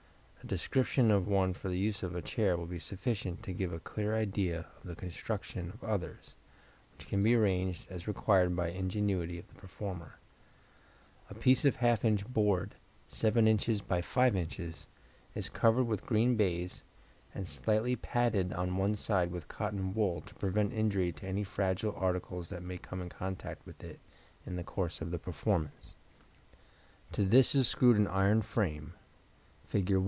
A description of one for use on a chair will be sufficient to give a clear idea of the construction of others, which can be arranged as required by the ingenuity of the performer. A piece of ½ in. board, 7 in. by 5 in., is covered with green baize, and slightly padded on one side with cotton wool, to prevent injury to any fragile article that may come in contact with it in the course of the performance. To this is screwed an iron frame (Fig.